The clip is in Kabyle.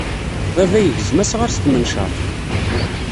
Baba yegzem asɣar s tmencaṛt.